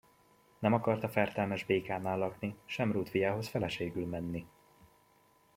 Nem akart a fertelmes békánál lakni, sem rút fiához feleségül menni.